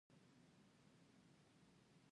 مظلوم باید څنګه حمایت شي؟